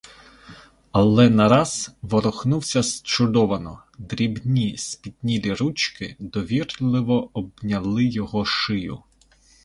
Але нараз — ворухнувся зчудовано: дрібні, спітнілі ручки довірливо обняли його шию.